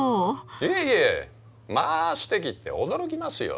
いえいえ「まあすてき！」って驚きますよ。